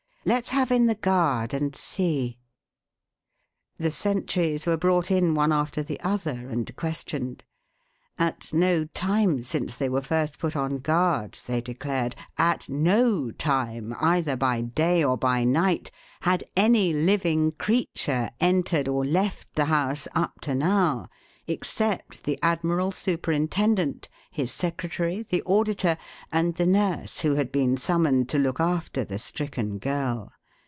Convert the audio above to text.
Let's have in the guard and see." The sentries were brought in one after the other and questioned. At no time since they were first put on guard, they declared at no time, either by day or by night had any living creature entered or left the house up to now, except the Admiral Superintendent, his secretary, the auditor, and the nurse who had been summoned to look after the stricken girl.